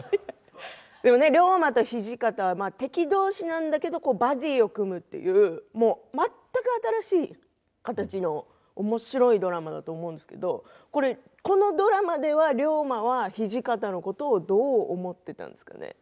龍馬と土方敵どうしなんだけどバディーを組むという全く新しい形のおもしろいドラマだと思うんですけどこのドラマでは龍馬は土方のことどう思っていたんですかね。